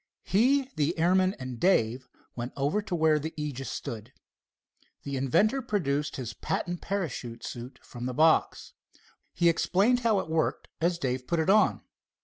He, the airman and Dave went over to where the Aegis stood. The inventor produced his patent parachute suit from the box. He explained how it worked as Dave put it on.